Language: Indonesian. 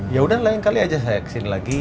ya udah lain kali aja saya ke sini lagi